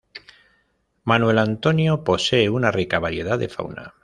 Manuel Antonio posee una rica variedad de fauna.